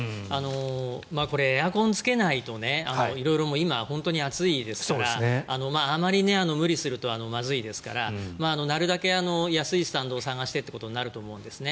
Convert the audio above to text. これエアコンをつけないと今、本当に暑いですからあまり無理するとまずいですからなるべく安いスタンドを探してということになると思うんですね。